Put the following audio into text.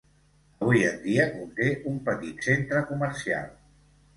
Avui en dia conté un petit centre comercial.